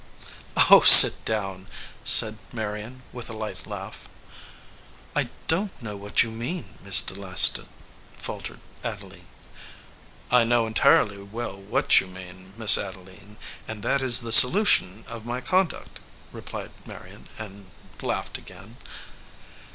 "Oh, sit down/ said Marion, with a light laugh. "I don t know what you mean, Mr. Leicester," faltered Adeline. "I know entirely well what you mean, Miss Ade line, and that is the solution of my conduct," re plied Marion, and laughed again.